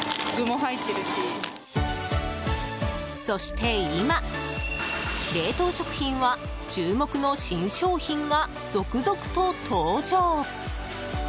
そして今、冷凍食品は注目の新商品が続々と登場。